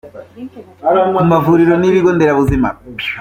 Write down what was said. ku mavuriro n’ibigo nderabuzima